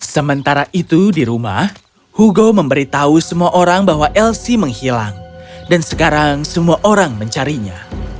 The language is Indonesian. sementara itu di rumah hugo memberitahu semua orang bahwa elsie menghilang dan sekarang semua orang mencarinya